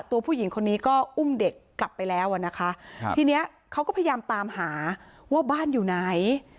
ตัวผู้หญิงคนนี้ก็อุ้มเด็กกลับไปแล้วอ่ะนะคะครับทีนี้เขาก็พยายามตามหาว่าบ้านอยู่ไหน